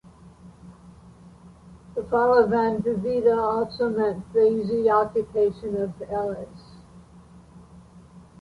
The fall of Andravida also meant the easy occupation of Elis.